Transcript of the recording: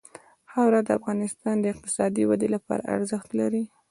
خاوره د افغانستان د اقتصادي ودې لپاره ارزښت لري.